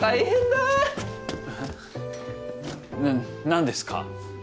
な何ですか？